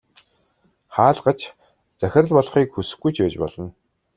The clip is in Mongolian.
Хаалгач захирал болохыг хүсэхгүй ч байж болно.